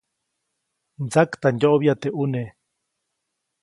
Mtsaktandyoʼbya teʼ ʼune.